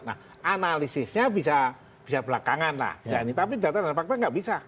nah analisisnya bisa belakangan lah tapi data dan fakta nggak bisa